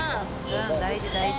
うん大事大事。